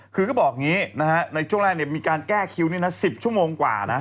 คือก็บอกอย่างนี้ในช่วงแรกมีการแก้คิวนี่นะ๑๐ชั่วโมงกว่านะ